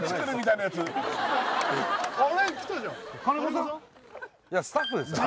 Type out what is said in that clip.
いやスタッフですよ